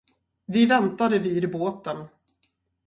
Vi väntade vid båten.